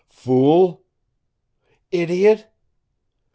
"Fool!" "Idiot!"